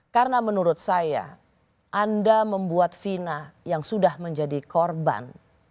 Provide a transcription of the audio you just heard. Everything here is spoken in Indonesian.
karena menurut saya anda membuat vina yang sudah menjadi korban